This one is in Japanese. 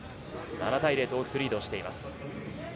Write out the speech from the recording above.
７対０と大きくリードしています。